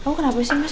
kamu kenapa sih mas